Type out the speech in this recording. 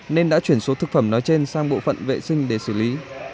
nên đã chuyển số thực phẩm nói trên sang bộ phận vệ sinh để xử lý